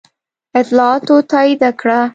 اطلاعاتو تایید کړه.